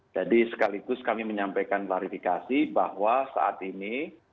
jadi sekaligus kami menyampaikan klarifikasi bahwa saat ini